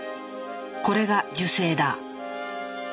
これが受精だ。